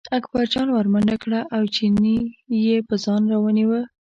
اکبرجان ور منډه کړه او چینی یې په ځان راونیوه.